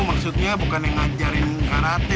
maksudnya bukan yang ngajarin karate